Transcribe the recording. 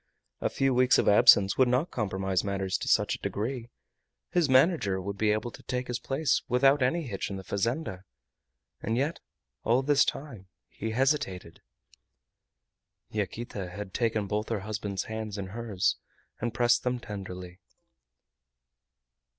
A few weeks of absence would not compromise matters to such a degree. His manager would be able to take his place without any hitch in the fazenda. And yet all this time he hesitated. Yaquita had taken both her husband's hands in hers, and pressed them tenderly.